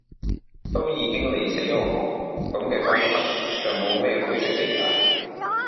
都已經你死我亡，噉嘅關頭，就冇咩灰色地帶